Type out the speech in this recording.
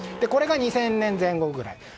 これが２０００年前後ぐらい。